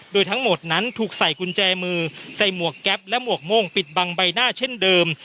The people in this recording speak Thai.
โดยทั้งหมดนั้นถูกใส่กุญแจมือใส่หมวกแก๊ปและหมวกโม่งปิดบังใบหน้าเช่นเดิม